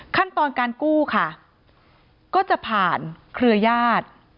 ขั้นตอนการกู้ค่ะก็จะผ่านเครือญาติ